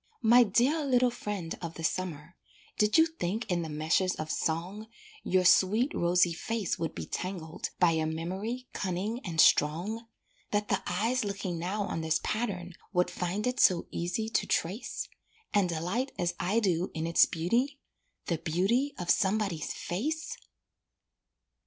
My dear little friend of the summer, Did you think in the meshes of song Your sweet, rosy face would be tangled By a memory cunning and strong? That the eyes looking now on this pattern Would find it so easy to trace? And delight as I do in its beauty The beauty of somebody's face?